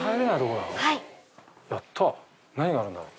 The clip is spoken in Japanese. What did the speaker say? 何があるんだろう？